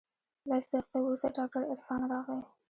لس دقيقې وروسته ډاکتر عرفان راغى.